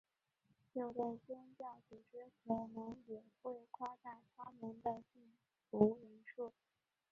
有的宗教组织可能也会夸大他们的信徒人数。